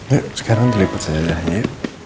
yuk sekarang diliput saja aja ya